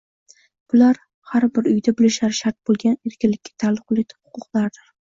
Bular har bir uyda bilishlari shart bo‘lgan erkinlikka taalluqli huquqlardir